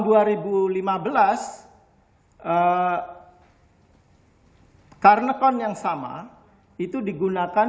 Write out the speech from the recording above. current account yang sama itu digunakan